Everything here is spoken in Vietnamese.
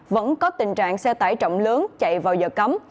vẫn có tình trạng xe tải trọng lớn chạy vào giờ cấm